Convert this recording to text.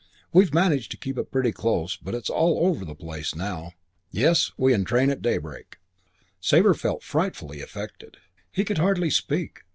We've managed to keep it pretty close, but it's all over the place now. Yes, we entrain at daybreak." Sabre felt frightfully affected. He could hardly speak.